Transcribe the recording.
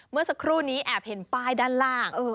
เมื่อสักครู่นี้แอบเห็นป้ายด้านล่าง